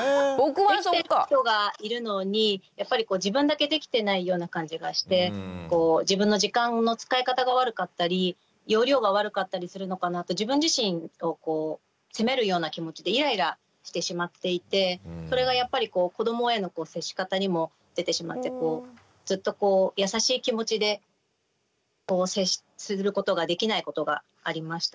できてる人がいるのにやっぱり自分だけできてないような感じがして自分の時間の使い方が悪かったり要領が悪かったりするのかなって自分自身を責めるような気持ちでイライラしてしまっていてそれがやっぱりこう子どもへの接し方にも出てしまってずっと優しい気持ちで接することができないことがありました。